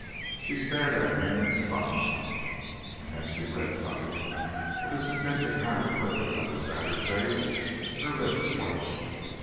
She stared at him in astonishment, and as she read something of the significant hieroglyphic of his battered face, her lips whitened.